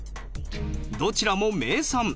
どちらも名産。